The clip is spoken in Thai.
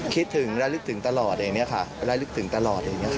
คิดถึงและลึกถึงตลอดเองเนี่ยค่ะและลึกถึงตลอดเองเนี่ยค่ะ